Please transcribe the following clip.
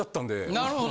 なるほど。